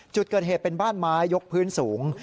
จุดเกิดเหตุเป็นบ้านไม้ยกพื้นสูง